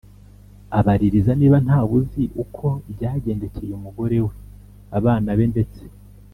abaririza niba ntawuzi uko byagendekeye umugore we, abana be ndetse